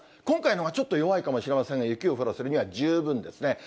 今回のほうがちょっと弱いかもしれませんが、雪を降らせるには十分ですね。